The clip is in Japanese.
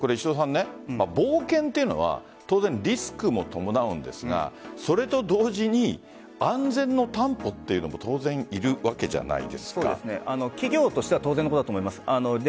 冒険というのは当然、リスクも伴うんですがそれと同時に安全の担保というのも企業としては当然のことだと思います。